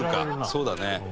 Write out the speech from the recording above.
そうだね。